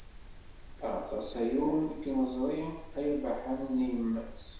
Aṭas aya ur k-neẓri ay abaḥan n yemma-s